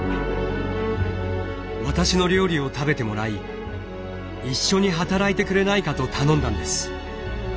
私の料理を食べてもらい一緒に働いてくれないかと頼んだんです。